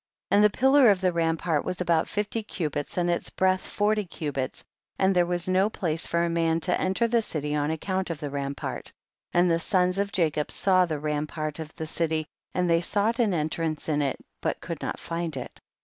20. And the pillar of the rampart was about fifty cubits and its breadth forty cubits, and there was no place for a man to enter the city on ac count of the rampart, and the sons of Jacob saw the rampart of the city and they sought an entrance in it but could not find it.